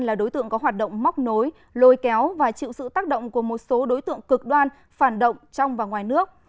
là đối tượng có hoạt động móc nối lôi kéo và chịu sự tác động của một số đối tượng cực đoan phản động trong và ngoài nước